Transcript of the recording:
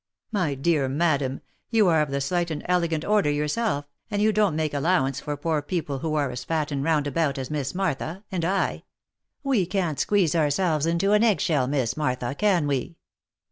" My dear madam, you are of the slight and elegant order your self, and you don't make allowance for poor people who are as fat and roundabout as Miss Martha and I — we can't squeeze ourselves into an eggshell, Miss Martha, can we